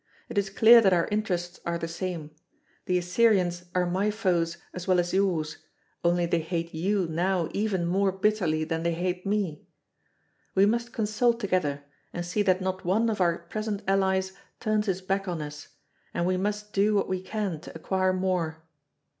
It is clear that our interests are the same; the Assyrians are my foes as well as yours, only they hate you now even more bitterly than they hate me. We must consult together and see that not one of our present allies turns his back on us, and we must do what we can to acquire more.